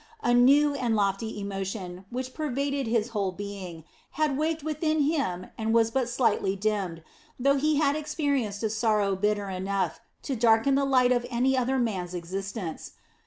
A new and lofty emotion, which pervaded his whole being, had waked within him and was but slightly dimmed, though he had experienced a sorrow bitter enough to darken the light of any other man's existence.